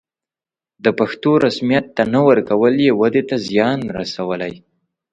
د پښتو رسميت ته نه ورکول یې ودې ته زیان رسولی.